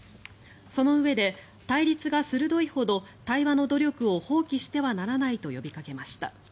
そのうえで、対立が鋭いほど対話の努力を放棄してはならないと呼びかけました。